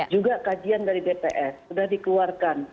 juga kajian dari bps sudah dikeluarkan